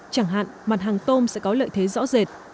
chẳng hạn mặt hàng tôm sẽ có lợi thế rõ rệt